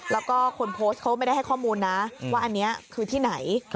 แล้วก็คนโพสต์เขาไม่ได้ให้ข้อมูลนะว่าอันนี้คือที่ไหน